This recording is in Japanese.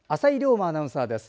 馬アナウンサーです。